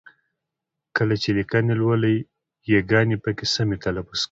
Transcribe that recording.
کله چې لیکني لولئ ی ګاني پکې سمې تلفظ کوئ!